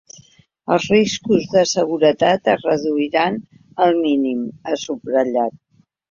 “Els riscos de seguretat es reduiran al mínim”, ha subratllat.